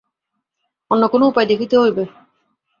অন্য কোনো উপায় দেখিতে হইবে।